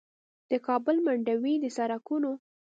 د کابل منډوي د سړکونو